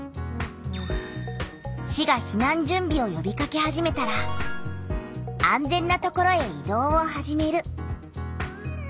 市が避難準備をよびかけ始めたら「安全な所へ移動を始める」。